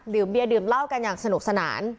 เบียร์ดื่มเหล้ากันอย่างสนุกสนาน